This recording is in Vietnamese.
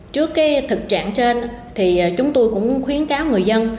trước thực trạng trên thì chúng tôi cũng khuyến cáo người dân